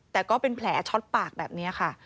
แต่ก็เป็นแผลช็อตปากแบบนี้ค่ะ